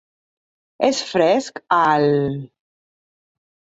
És fresc, el...?